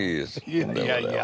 いやいやいや。